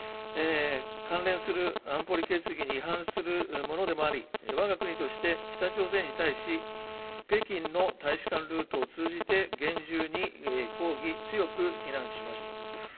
関連する安保理決議に違反するものでもあり、わが国として北朝鮮に対し、北京の大使館ルートを通じて厳重に抗議、強く非難しました。